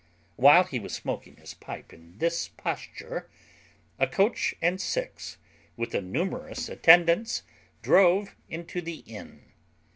Whilst he was smoaking his pipe in this posture, a coach and six, with a numerous attendance, drove into the inn.